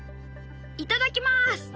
いただきます！